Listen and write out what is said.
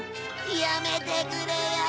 やめてくれよ。